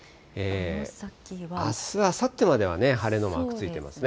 あす、あさってまでは晴れのマークついていますね。